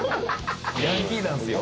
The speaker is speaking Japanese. ヤンキーなんですよ。